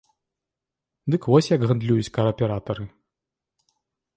Дык вось як гандлююць кааператары.